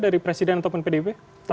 dari presiden ataupun pdb